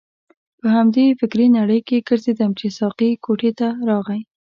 په همدې فکرې نړۍ کې ګرځیدم چې ساقي کوټې ته راغی.